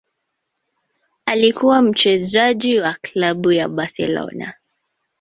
Alikuwa mchezaji wa klabu ya Barcelona